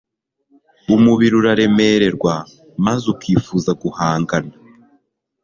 Umubiri uraremererwa maze ukifuza guhangana